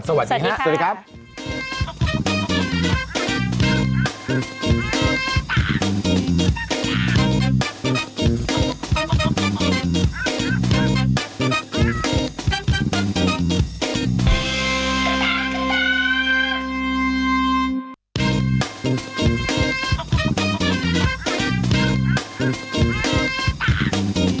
สวัสดีครับสวัสดีครับ